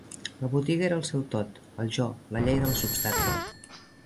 La botiga era el seu Tot. El Jo, la llei de la substancia